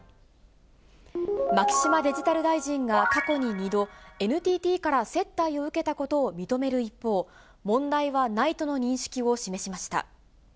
牧島デジタル大臣が過去に２度、ＮＴＴから接待を受けたことを認める一方、問題はないとの認識を示しました。